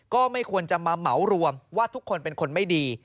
ก็ไม่ควรจะมาเหมารวมว่าทุกคนเป็นคนไม่ดี